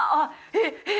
えっ！えっ！？